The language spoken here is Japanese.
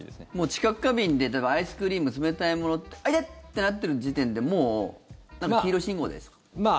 知覚過敏で例えばアイスクリーム冷たいもので痛っ！ってなってる時点でもう、黄色信号ですか？